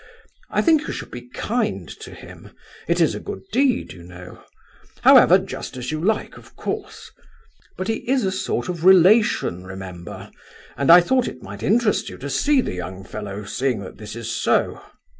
I think you should be kind to him; it is a good deed, you know—however, just as you like, of course—but he is a sort of relation, remember, and I thought it might interest you to see the young fellow, seeing that this is so."